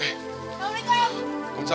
eh gak boleh kak